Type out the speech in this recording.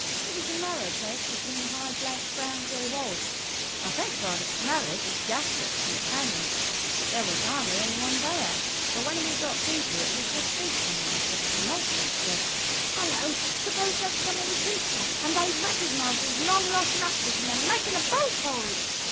It was a narrow place between high blank brown grey walls. I think by the smell it was gasworks and tanneries. There was hardly any one there, but when we got into it we heard feet running ahead of us, and Oswald said– "Hullo, suppose that's some one with Pincher, and they've recognised his long lost masters and they're making a bolt for it?"